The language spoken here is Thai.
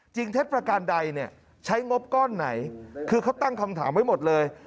เท็จประการใดเนี่ยใช้งบก้อนไหนคือเขาตั้งคำถามไว้หมดเลย